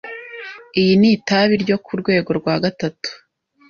Iyi ni itabi ryo ku rwego rwa gatatu.